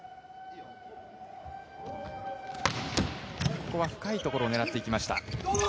ここは深い所を狙っていきました。